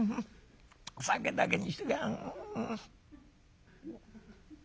酒だけにしときゃ」。